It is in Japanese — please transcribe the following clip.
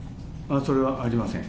それはありません。